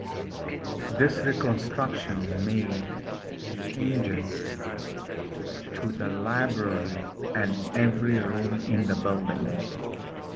This reconstruction made changes to the library and every room in the building.